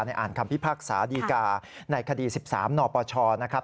อ่านคำพิพากษาดีกาในคดี๑๓นปชนะครับ